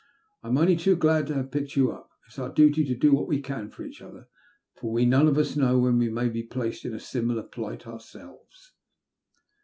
'' I'm only too glad to have picked you up. It's our duty to do what we can for each other, for we none of us know when we may be placed in a similar plight ourselves."